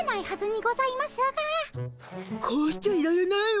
こうしちゃいられないわ。